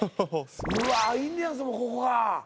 うわインディアンスもここか。